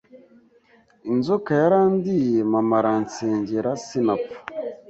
inzoka yarandiye mama aransengera sinapfa